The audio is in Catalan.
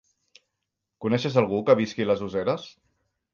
Coneixes algú que visqui a les Useres?